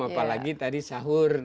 apalagi tadi sahur